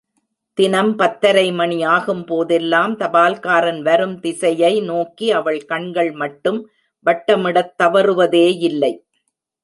தினம் பத்தரை மணி ஆகும் போதெல்லாம் தபால்காரன் வரும் திசையை நோக்கி அவள் கண்கள் மட்டும் வட்டமிடத் தவறுவதேயில்லை.